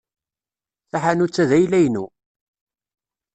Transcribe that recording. Taḥanut-a d ayla-inu.